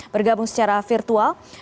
bergabung secara virtual